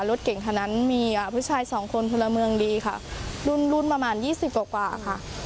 รถเก่งทางนั้นมีผู้ชายสองคนธุระเมืองดีค่ะรุ่นประมาณ๒๐กว่าค่ะ